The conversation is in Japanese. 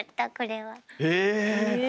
へえ。